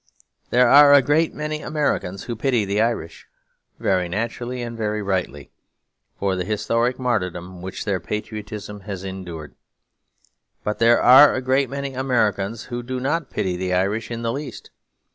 There are a great many Americans who pity the Irish, very naturally and very rightly, for the historic martyrdom which their patriotism has endured. But there are a great many Americans who do not pity the Irish in the least.